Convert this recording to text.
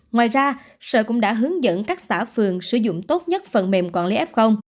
ngoài ra sở cũng đã hướng dẫn các xã phường sử dụng tốt nhất phần mềm quản lý f